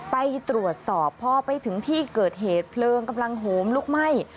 ไปตรวจสอบพอไปถึงที่เกิดเหตุเพลิงกำลังโหมลุกไหม้